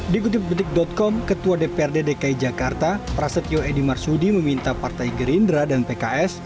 dikutip detik com ketua dprd dki jakarta prasetyo edi marsudi meminta partai gerindra dan pks